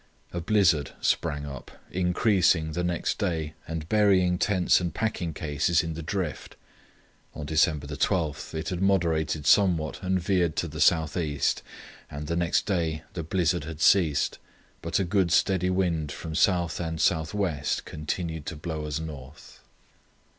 A blizzard sprang up, increasing the next day and burying tents and packing cases in the drift. On December 12 it had moderated somewhat and veered to the south east, and the next day the blizzard had ceased, but a good steady wind from south and south west continued to blow us north.